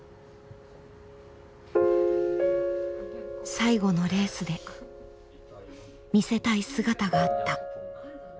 最後のレースで見せたい姿があった。